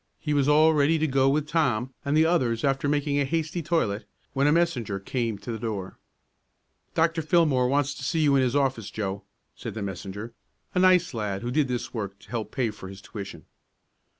He was all ready to go with Tom and the others after making a hasty toilet, when a messenger came to the door. "Dr. Fillmore wants to see you in his office, Joe," said the messenger a nice lad who did this work to help pay for his tuition.